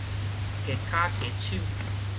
扴跤扴手